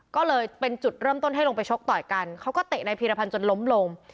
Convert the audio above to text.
ก็เลยเป็นจุดเริ่มต้นให้ลงไปชกต่อยกันเขาก็เตะนายพีรพันธ์จนล้มลง